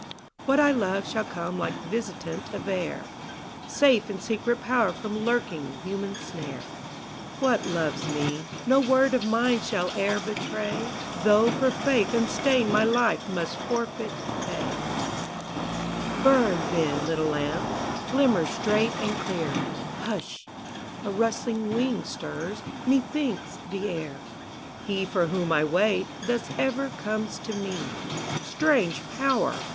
What I love shall come like visitant of air, Safe in secret power from lurking human snare; What loves me, no word of mine shall e'er betray, Though for faith unstained my life must forfeit pay Burn, then, little lamp; glimmer straight and clear Hush! a rustling wing stirs, methinks, the air: He for whom I wait, thus ever comes to me; Strange Power!